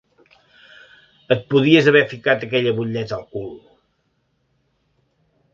Et podies haver ficat aquella butlleta al cul!